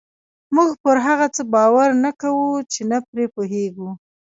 موږ پر هغه څه باور نه کوو چې نه پرې پوهېږو.